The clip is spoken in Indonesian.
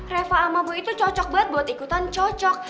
reva sama bu itu cocok banget buat ikutan cocok